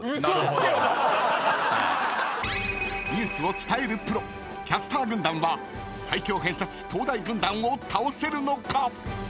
［ニュースを伝えるプロキャスター軍団は最強偏差値東大軍団を倒せるのか⁉］